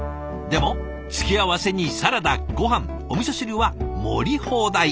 でも付け合わせにサラダごはんおみそ汁は盛り放題。